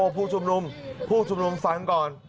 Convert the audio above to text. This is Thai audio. พูดจุดลืมฟ้ามก่อน